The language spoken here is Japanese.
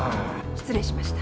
失礼しました。